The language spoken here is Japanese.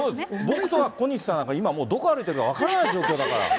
僕と小西さんは、今もう、どこ歩いてるか分からない状況だから。